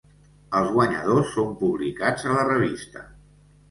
Els guanyadors són publicats a la revista.